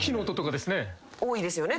多いですよね